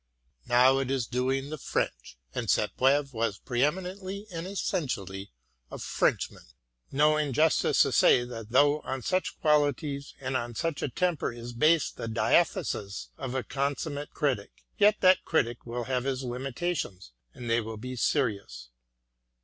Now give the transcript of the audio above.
Now it is doing the French — ^and Sainte Beuve was pre eminently and essentially a Frenchman — ^no injustice to say that though on such qualities and on such a temper is based the diathesis of a consummate critic, yet that critic will have his limitations, and they will be serious.